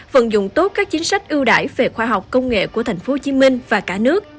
vận dụng tốt các chính sách ưu đại về khoa học công nghệ của tp hcm và cả nước